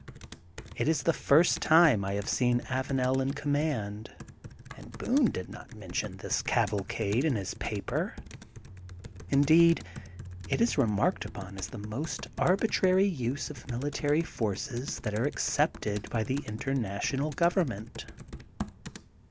It is the first time I have seen Avanel in command, and Boone did not mention this cavalcade in his paper. Indeed, it is remarked upon as a most arbitrary use of miUtary forces that are accepted by the International Government.